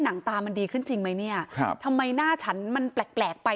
หนังตามันดีขึ้นจริงไหมเนี่ยครับทำไมหน้าฉันมันแปลกแปลกไป